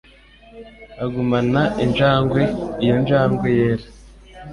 Agumana injangwe. Iyo njangwe yera.